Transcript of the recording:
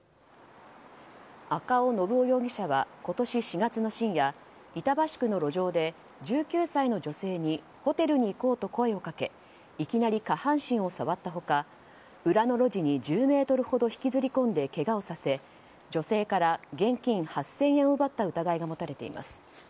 赤尾信雄容疑者は今年４月の深夜板橋区の路上で１９歳の女性にホテルに行こうと声をかけいきなり下半身を触った他裏の路地に１０ｍほど引きずり込んでけがをさせ女性から現金８０００円を奪った疑いが持たれています。